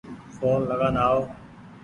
ڦون لگآن آئو